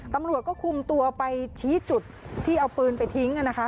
ตำรวจก็คุมตัวไปชี้จุดที่เอาปืนไปทิ้งนะคะ